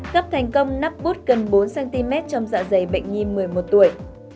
cấp thành công nắp bút gần bốn cm trong dạ dày bệnh nhi một mươi một tuổi